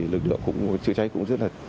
lực lượng chữa cháy cũng rất là